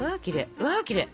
うわきれい！